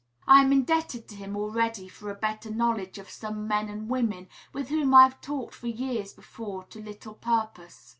I am indebted to him already for a better knowledge of some men and women with whom I had talked for years before to little purpose.